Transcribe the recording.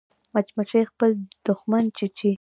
مچمچۍ خپل دښمن چیچي